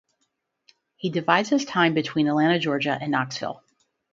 He divides his time between Atlanta, Georgia and Knoxville.